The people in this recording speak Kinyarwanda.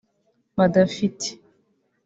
badafite”